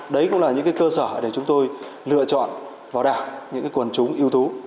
đấy cũng là những cơ sở để chúng tôi lựa chọn vào đảng những quần chúng ưu tú